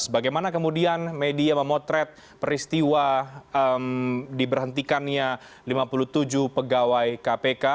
bagaimana kemudian media memotret peristiwa diberhentikannya lima puluh tujuh pegawai kpk